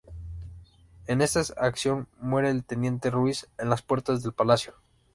En esta acción muere el Teniente Ruiz en las puertas del Palacio.